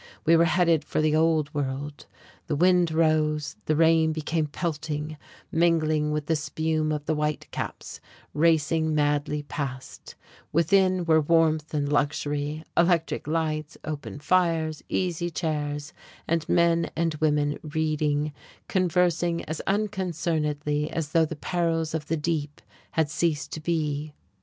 We were headed for the Old World. The wind rose, the rain became pelting, mingling with the spume of the whitecaps racing madly past: within were warmth and luxury, electric lights, open fires, easy chairs, and men and women reading, conversing as unconcernedly as though the perils of the deep had ceased to be.